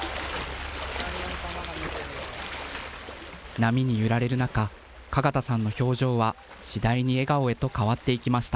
波に揺られる中、加賀田さんの表情は次第に笑顔へと変わっていきました。